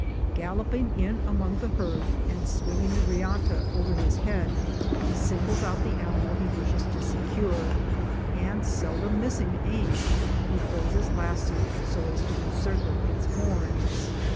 Galloping in among the herd, and swinging the riata round his head, he singles out the animal he wishes to secure, and, seldom missing his aim, he throws his lasso so as to encircle its horns.